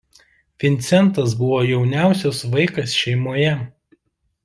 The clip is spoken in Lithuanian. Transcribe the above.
Vincentas buvo jauniausias vaikas šeimoje.